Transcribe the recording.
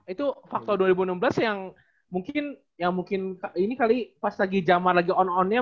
itu faktor dua ribu enam belas yang mungkin ini kali pas lagi zaman lagi on onnya